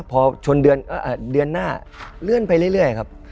พอชนเดือนหน้าเลื่อนไปเรื่อยครับ